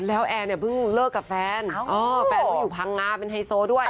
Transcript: แล้วแอร์เนี่ยรึงเลิดกับแฟนเอ่อแฟนเขาอยู่ทางปาง้าเป็นไฮโซด้วย